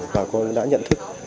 bà con đã nhận thức